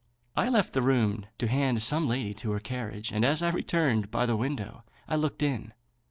I left the room to hand some lady to her carriage, and as I returned by the window, I looked in.